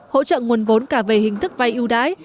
hỗ trợ nguồn vốn cả về hình thức vay ưu đãi